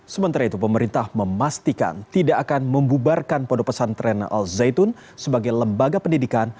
sementara itu pemerintah memastikan tidak akan membubarkan pondok pesantren al zaitun sebagai lembaga pendidikan